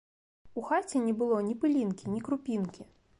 У хаце не было ні пылінкі, ні крупінкі.